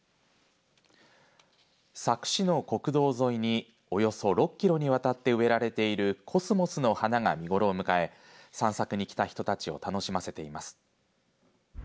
佐久市の国道沿いにおよそ６キロにわたって植えられているコスモスの花が見頃を迎え散策に来た人たちを楽しませています。